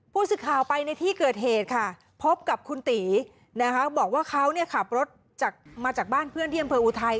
พวกสาบานไปในที่เกิดเหตุค่ะพบกับคุณอนาคาเขาเนี่ยขับรถจากมาจากบ้านเพื่อนเพื่ออุทัย